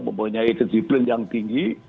mempunyai disiplin yang tinggi